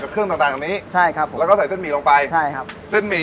ครับผม